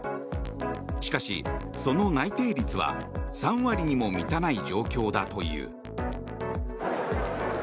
しかし、その内定率は３割にも満たない状況だという。